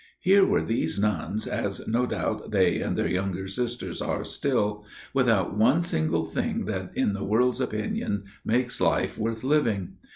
Here were these nuns as no doubt they and their younger sisters are still, without one single thing that in the world's opinion makes life worth living.